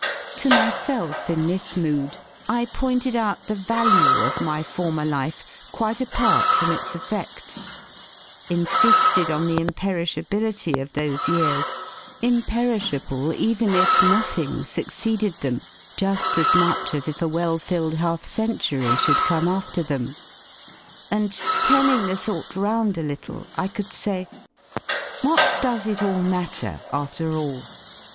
To myself in this mood I ^ pointed out the value of my former life quite apart from its effeds, insi^ed on the imperishability of those years, imperishable even if nothing succeeded them, ju^ as much as if a well filled half century should come after them; and turning the thought round a little I could say: What does ^ it all matter after all?